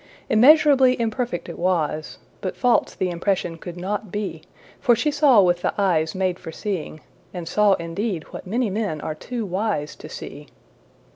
Immeasurably imperfect it was, but false the impression could not be, for she saw with the eyes made for seeing, and saw indeed what many men are too wise to see.